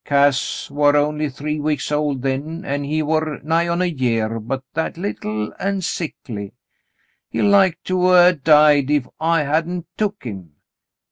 Cass war only three weeks old then, an' he war nigh on a year, but that little an' sickly — he like to 'a' died if I hadn't took him."